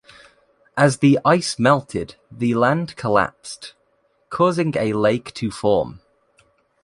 As the ice melted the land collapsed, causing a lake to form.